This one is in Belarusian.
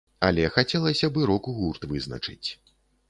Але хацелася б і рок-гурт вызначыць.